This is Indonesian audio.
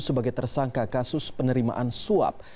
sebagai tersangka kasus penerimaan suap